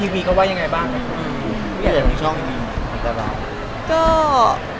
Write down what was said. มีข่าวใหญ่ของช่องอีกนิดหนึ่งหรือเปล่า